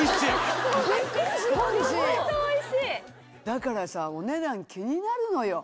だからさお値段気になるのよ。